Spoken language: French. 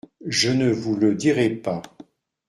Je ne vous le dirai pas.